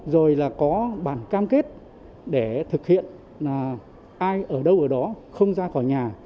rồi là có bản cam kết để thực hiện là ai ở đâu ở đó không ra khỏi nhà